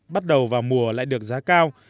bắt đầu vào mùa lại được giá cao